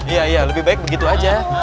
iya iya lebih baik begitu aja